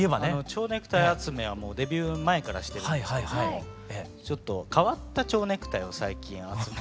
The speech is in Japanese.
蝶ネクタイ集めはもうデビュー前からしてるんですけれどもちょっと変わった蝶ネクタイを最近集めてまして。